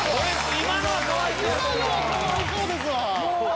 今のはかわいそうやと思うわ。